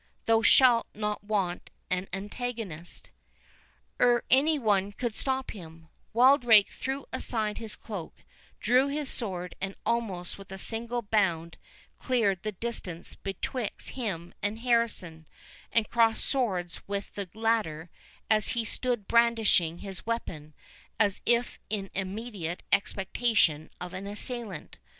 thou shalt not want an antagonist." Ere any one could stop him, Wildrake threw aside his cloak, drew his sword, and almost with a single bound cleared the distance betwixt him and Harrison, and crossed swords with the latter, as he stood brandishing his weapon, as if in immediate expectation of an assailant.